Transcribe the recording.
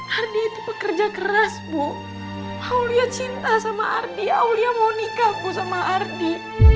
ardi itu pekerja keras bu kau lihat cinta sama ardi aulia mau nikahku sama ardi